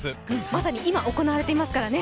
まさに今行われていますからね。